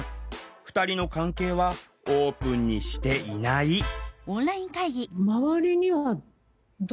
２人の関係はオープンにしていないあ。